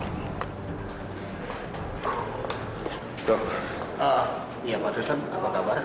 iya pak tristan apa kabar